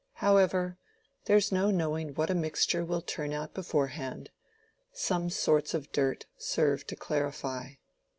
However, there's no knowing what a mixture will turn out beforehand. Some sorts of dirt serve to clarify."